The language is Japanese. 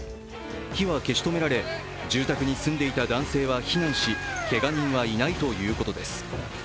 火は消し止められ住宅に住んでいた男性は避難しけが人はいないということです。